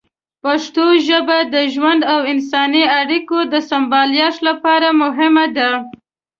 پښتو ژبه د ژوند او انساني اړیکو د سمبالښت لپاره مهمه ده.